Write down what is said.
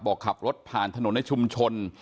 ขับรถผ่านถนนในชุมชน